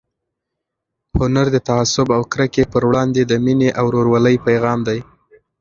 هنر د تعصب او کرکې پر وړاندې د مینې او ورورولۍ پيغام دی.